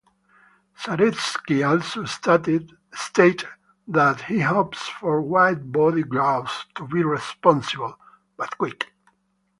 Saretsky also stated that he hopes for wide-body growth to be responsible, but quick.